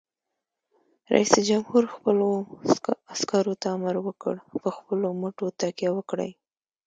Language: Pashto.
رئیس جمهور خپلو عسکرو ته امر وکړ؛ په خپلو مټو تکیه وکړئ!